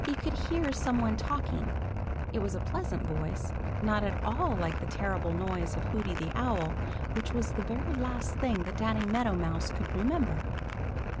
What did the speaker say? He could hear some one talking. It was a pleasant voice, not at all like the terrible voice of Hooty the Owl, which was the very last thing that Danny Meadow Mouse could remember.